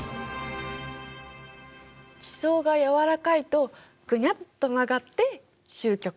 地層が柔らかいとグニャっと曲がってしゅう曲。